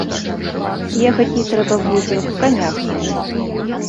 Ехаць не трэба будзе, каня гнаць.